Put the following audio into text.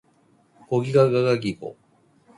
ゴギガガガギゴ